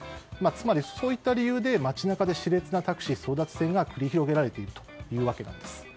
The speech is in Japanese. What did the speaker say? つまり、そういった理由で街中で熾烈なタクシー争奪戦が繰り広げられているというわけです。